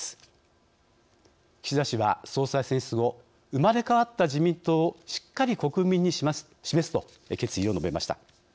岸田氏は総裁選出後生まれ変わった自民党をしっかり国民に示すと決意を述べました。